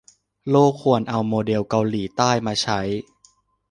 โลกควรเอาโมเดลเกาหลีใต้มาใช้